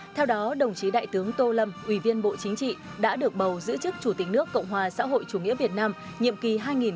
theo đó đồng chí đại tướng tô lâm ủy viên bộ chính trị đã được bầu giữ chức chủ tịch nước cộng hòa xã hội chủ nghĩa việt nam nhiệm kỳ hai nghìn một mươi chín hai nghìn hai mươi sáu